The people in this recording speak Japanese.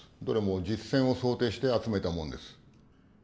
どれも実戦を想定して集めたもんです。